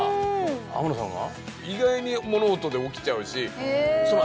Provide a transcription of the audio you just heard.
天野さんは？